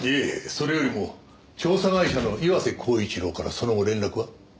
それよりも調査会社の岩瀬厚一郎からその後連絡は？